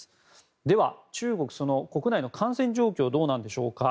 では、中国国内の感染状況どうなんでしょうか。